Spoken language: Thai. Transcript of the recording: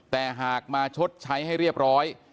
แต่หากมาชดใช้ให้เรียบร้อย